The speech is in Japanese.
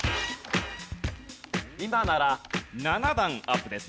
今なら７段アップです。